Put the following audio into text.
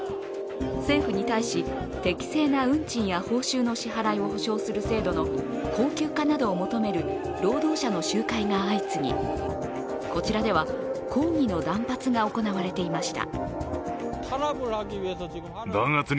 政府に対し、適正な運賃や報酬の支払いを保証する制度の恒久化などを求める労働者の集会が相次ぎ、こちらでは抗議の断髪が行われていました。